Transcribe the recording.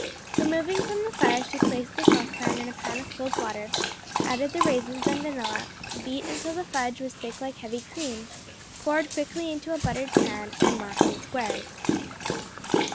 Removing from the fire, she placed the saucepan in a pan of cold water, added the raisins and vanilla, beat until the fudge was thick like heavy cream, poured quickly into a buttered pan and marked in squares.